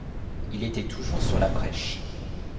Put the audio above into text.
Il était toujours sur la brèche.